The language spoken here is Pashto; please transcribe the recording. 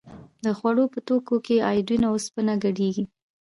د خوړو په توکو کې ایوډین او اوسپنه ګډیږي؟